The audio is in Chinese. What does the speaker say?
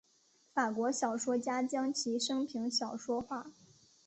法国小说家将其生平小说化。